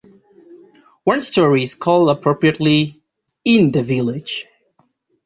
One story is called appropriately, "In the Village".